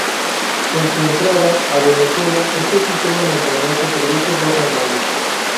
En su entrada a Venezuela, este sistema montañoso produce dos ramales.